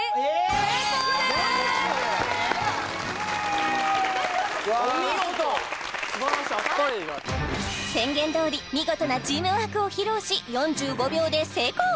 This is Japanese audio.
すばらしい宣言どおり見事なチームワークを披露し４５秒で成功！